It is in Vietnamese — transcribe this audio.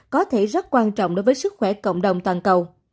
có thể rất quan trọng đối với sức khỏe cộng đồng toàn cầu